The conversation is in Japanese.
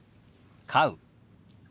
「飼う」。